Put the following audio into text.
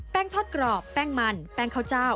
ทอดกรอบแป้งมันแป้งข้าวเจ้า